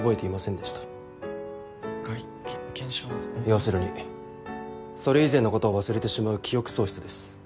要するにそれ以前のことを忘れてしまう記憶喪失です。